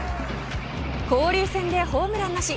交流戦でホームランなし。